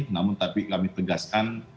namun tapi kami tegaskan